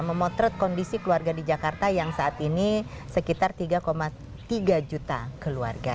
memotret kondisi keluarga di jakarta yang saat ini sekitar tiga tiga juta keluarga